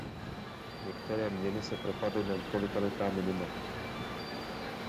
Některé měny se propadly na několikaletá minima.